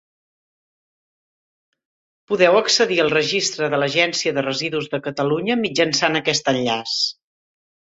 Podeu accedir al registre de l'Agència de Residus de Catalunya mitjançant aquest enllaç.